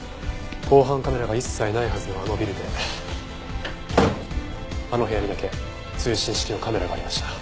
防犯カメラが一切ないはずのあのビルであの部屋にだけ通信式のカメラがありました。